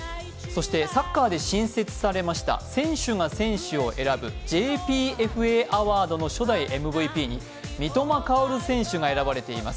サッカーで新設されました選手が選手を選ぶＪＰＦＡアワードの初代ＭＶＰに三笘薫が選ばれています。